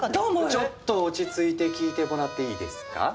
ちょっと落ち着いて聞いてもらっていいですか？